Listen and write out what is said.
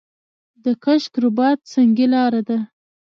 د کشک رباط سنګي لاره ده